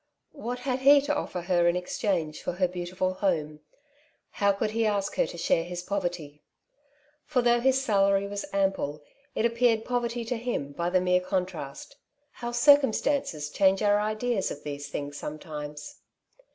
What had he to offer her in exchange for her beautiful home ? How could he ask her to share his poverty ? For though his salary was ample, it appeared poverty to him by the mere contrast. How circumstances change our ideas of these things sometimes